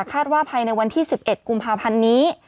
คาดว่าภายในวันที่๑๑กุมภาพันธ์นี้